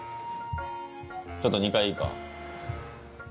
ちょっと２階いいか？